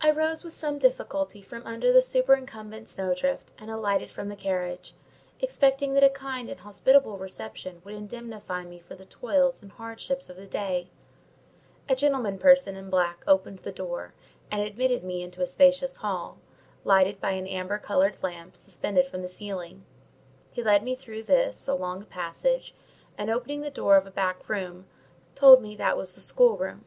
I rose with some difficulty from under the superincumbent snowdrift, and alighted from the carriage, expecting that a kind and hospitable reception would indemnify me for the toils and hardships of the day. A gentlemanly person in black opened the door, and admitted me into a spacious hall, lighted by an amber coloured lamp suspended from the ceiling; he led me through this, along a passage, and opening the door of a back room, told me that was the schoolroom.